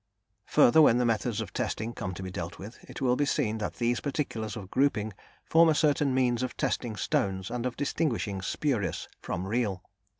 Further, when the methods of testing come to be dealt with, it will be seen that these particulars of grouping form a certain means of testing stones and of distinguishing spurious from real.